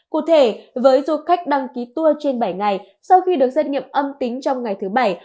cụ thể với du khách đăng ký tour trên bảy ngày sau khi được xét nghiệm âm tính trong ngày thứ bảy